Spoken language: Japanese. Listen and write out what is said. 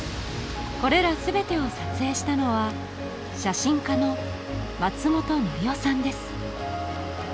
これら全てを撮影したのは写真家の松本紀生さんです